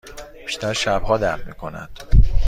بیشتر شبها درد می کند.